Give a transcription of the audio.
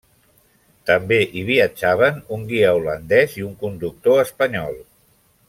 També hi viatjaven un guia holandès i un conductor espanyol.